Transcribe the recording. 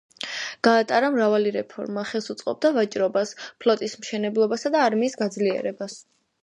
გაატარა მრავალი რეფორმა, ხელს უწყობდა ვაჭრობას, ფლოტის მშენებლობასა და არმიის გაძლიერებას.